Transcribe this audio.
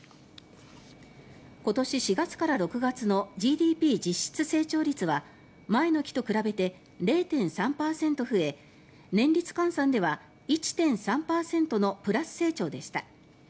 今年４月から６月のＧＤＰ実質成長率は前の期と比べて０．３％増え年率換算では１．３％のプラス成長でした。